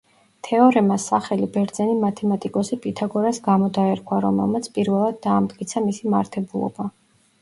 თეორემას სახელი ბერძენი მათემატიკოსი პითაგორას გამო დაერქვა, რომელმაც პირველად დაამტკიცა მისი მართებულობა.